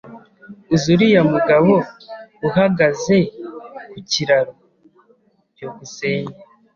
Uzi uriya mugabo uhagaze ku kiraro? byukusenge